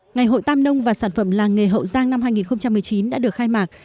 ngày hội tam nông và sản phẩm làng nghề hậu giang năm hai nghìn một mươi chín đã được khai mạc